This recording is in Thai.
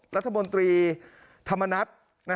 รัฐมนตรีธรรมนัฐ